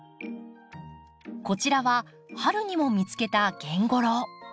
こちらは春にも見つけたゲンゴロウ。